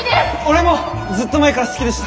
俺もずっと前から好きでした！